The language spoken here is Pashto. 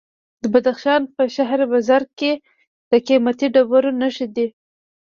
د بدخشان په شهر بزرګ کې د قیمتي ډبرو نښې دي.